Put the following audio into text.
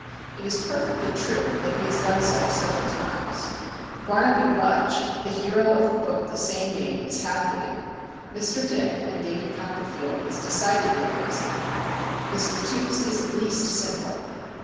It is perfectly true that he has done so several times. Barnaby Rudge, the hero of the book of the same name, is half witted. Mr. Dick, in "David Copperfield," is decidedly crazy. Mr. Toots is at least simple.